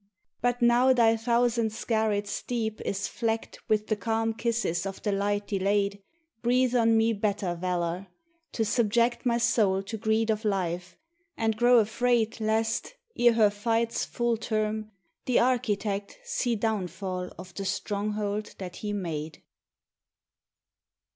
But now thy thousand scarrèd steep is flecked With the calm kisses of the light delayed, Breathe on me better valour: to subject My soul to greed of life, and grow afraid Lest, ere her fight's full term, the Architect See downfall of the stronghold that He made.